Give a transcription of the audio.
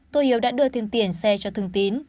tô hiếu đã đưa thêm tiền xe cho thường tín